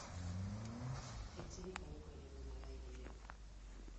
Etxerik gabekoen eguna da igande hau.